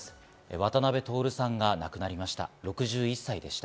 渡辺徹さんが亡くなりました。